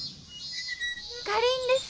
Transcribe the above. かりんです。